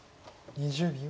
２０秒。